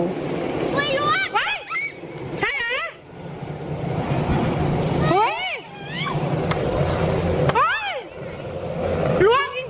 อุ๊ยล่วง